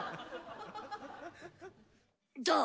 どう？